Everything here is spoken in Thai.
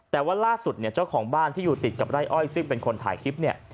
แต่ว่าล่าสุดเนี่ยเจ้าของบ้านที่อยู่ติดกับไร่อ้อยซึ่งเป็นคนถ่ายคลิปเนี่ย